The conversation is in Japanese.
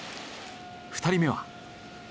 ２人目は。